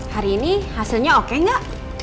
hari ini hasilnya oke enggak